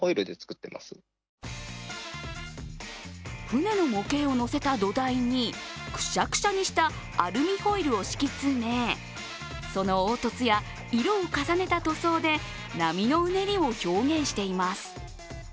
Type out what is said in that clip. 船の模型を乗せた土台にくしゃくしゃにしたアルミホイルを敷き詰めその凹凸や色を重ねた塗装で波のうねりを表現しています。